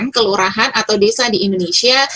kelurahan atau desa di indonesia